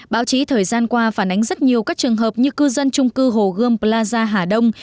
báo chí thời gian qua phản ánh rất nhiều các trường hợp như cư dân trung cư hồ gươm plaza hà đông